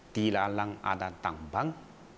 di lalang ada tambang